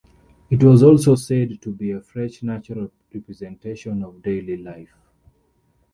It was also said to be a fresh, natural representation of daily life.